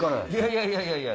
いやいやいやいや。